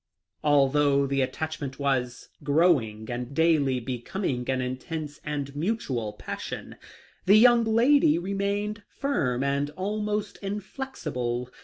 Although the attachment was growing and daily becoming an intense and mutual passion, the young lady remained firm and almost inflexible.